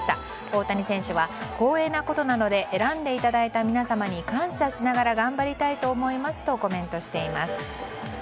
大谷選手は光栄なことなので選んでいただいた皆様に感謝しながら頑張りたいと思いますとコメントしています。